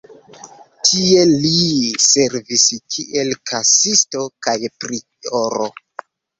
Tie li servis kiel kasisto kaj prioro.